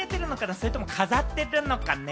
それとも飾ってるのかね？